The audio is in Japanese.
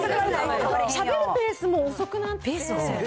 しゃべるペースも遅くなってきて。